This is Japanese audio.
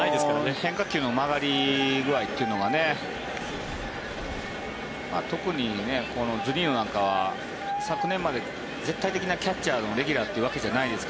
変化球の曲がり具合というのが特にズニーノなんかは昨年まで絶対的なキャッチャーのレギュラーというわけじゃないですか。